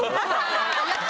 やった！